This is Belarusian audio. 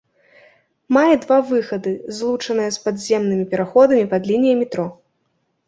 Мае два выхады, злучаныя з падземнымі пераходамі пад лініяй метро.